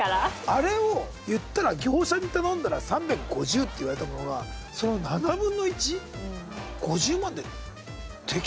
あれを言ったら業者に頼んだら３５０って言われたものがその７分の１？